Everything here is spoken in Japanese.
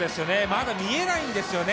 まだ見えないんですよね。